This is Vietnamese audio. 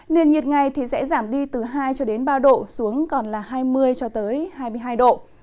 nhiệt ngày sẽ giảm đi từ hai ba độ xuống còn là hai mươi hai mươi hai độ